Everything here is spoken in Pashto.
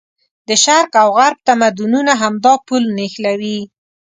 د شرق او غرب تمدونونه همدا پل نښلوي.